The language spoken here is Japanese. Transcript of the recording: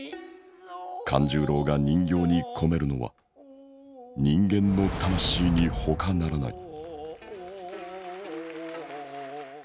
勘十郎が人形に込めるのは人間の「魂」にほかならない。